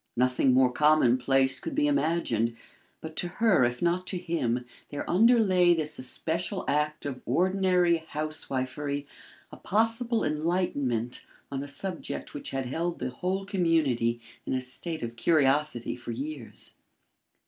Nothing more commonplace could be imagined, but to her, if not to him, there underlay this especial act of ordinary housewifery a possible enlightenment on a subject which had held the whole community in a state of curiosity for years.